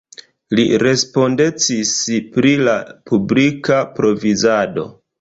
Li respondecis pri la publika provizado.